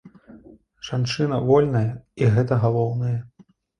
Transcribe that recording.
Жанчына вольная, і гэта галоўнае.